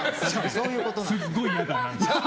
すごい嫌だな。